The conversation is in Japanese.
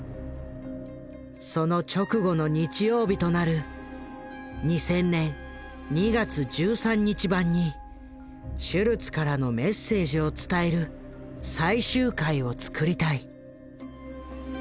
その直後の日曜日となる２０００年２月１３日版にシュルツからのメッセージを伝える最終回を作りたい。